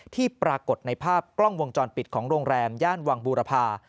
ที่ปรากฏในภาพกล้องวงจรปิดของโรงแรมย่านวังบูรพา